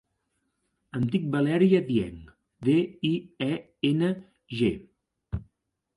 Em dic Valèria Dieng: de, i, e, ena, ge.